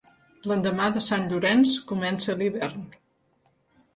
L'endemà de Sant Llorenç comença l'hivern.